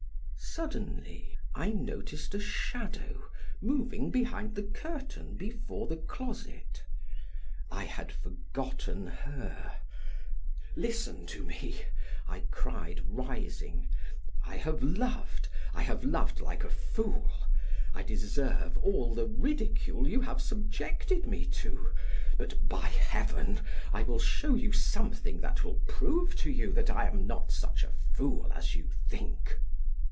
Suddenly I noticed a shadow moving behind the curtain before the closet. I had forgotten her. "Listen to me!" I cried, rising. "I have loved, I have loved like a fool. I deserve all the ridicule you have subjected me to. But, by Heaven! I will show you something that will prove to you that I am not such a fool as you think."